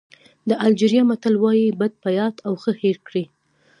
د الجېریا متل وایي بد په یاد او ښه هېر کړئ.